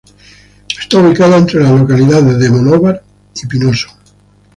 Está ubicada entre las localidades de Monóvar y Pinoso.